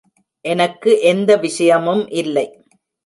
எனக்கு எந்த விஷயமும் இல்லை.